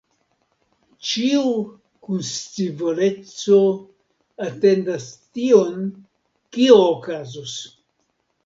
Ĉiu kun scivoleco atendas tion, kio okazos.